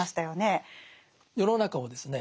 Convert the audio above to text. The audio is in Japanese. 世の中をですね